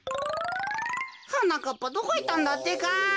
はなかっぱどこいったんだってか。